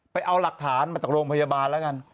เอาหลักฐานมาจากโรงพยาบาลแล้วกัน